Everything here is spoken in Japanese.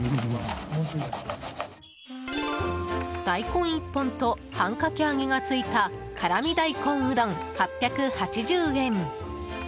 大根１本と半かき揚げがついた辛味大根うどん、８８０円。